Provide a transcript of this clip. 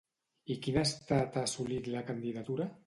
I quin estat ha assolit la candidatura?